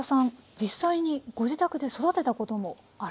実際にご自宅で育てたこともある。